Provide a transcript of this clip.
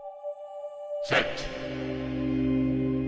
「セット」。